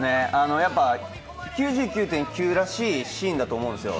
やっぱ「９９．９」らしいシーンだと思うんですよ。